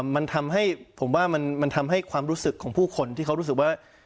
มันทำให้ผมว่ามันทำให้ความรู้สึกของผู้คนที่เขารู้สึกว่า